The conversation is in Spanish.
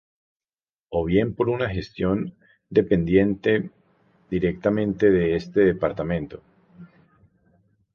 O bien por una gestión dependiente directamente de este departamento.